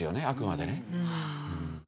あくまでね。